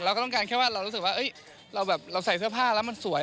ก็ต้องการแค่ว่าเรารู้สึกว่าเราแบบเราใส่เสื้อผ้าแล้วมันสวย